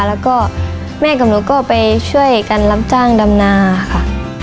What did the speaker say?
แล้วก็แม่กับหนูก็ไปช่วยกันรับจ้างดำนาค่ะ